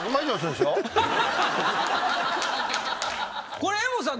これ江本さん